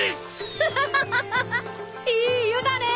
ハハハいい湯だね！